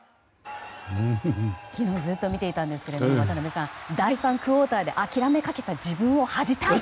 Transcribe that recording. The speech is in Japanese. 昨日ずっと見ていたんですが渡辺さん第３クオーターで諦めかけた自分を恥じたい！